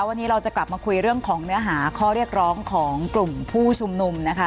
วันนี้เราจะกลับมาคุยเรื่องของเนื้อหาข้อเรียกร้องของกลุ่มผู้ชุมนุมนะคะ